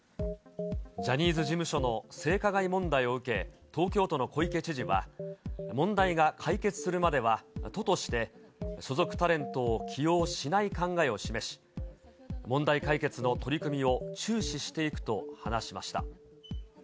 ジャニーズ事務所の性加害問題を受け、東京都の小池知事は、問題が解決するまでは、都として所属タレントを起用しない考えを示し、問題解決の取り組みを注視していくと話しました。